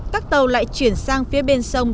các tàu lại chuyển sang phía bên sông